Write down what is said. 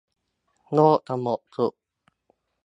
โลกสงบสุข